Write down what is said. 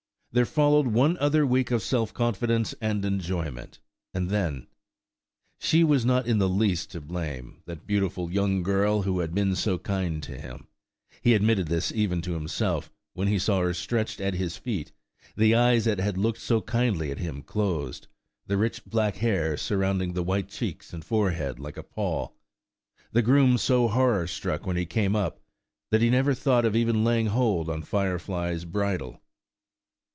There followed one other week of self confidence and enjoyment, and then ...... She was not in the least to blame–that beautiful young girl who had been so kind to him. He admitted this even to himself, when he saw her stretched at his feet; the eyes that had looked so kindly at him, closed; the rich black hair surrounding the white cheeks and forehead like a pall–the groom so horror struck when he came up, that he never thought of even laying hold on Firefly's bridle.